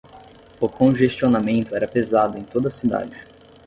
o congestionamento era pesado em toda a cidade.